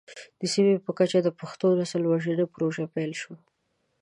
د سیمې په کچه د پښتون نسل وژنه پروژې پيل شوې.